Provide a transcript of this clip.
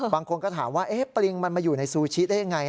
บางคนก็ถามว่าปริงมันมาอยู่ในซูชิได้ยังไง